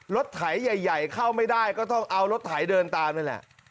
ไถใหญ่เข้าไม่ได้ก็ต้องเอารถไถเดินตามนั่นแหละ